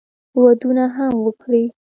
ودونه هم وکړي.